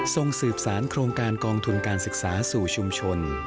ส่งสืบสารโครงการกองทุนการศึกษาสู่ชุมชน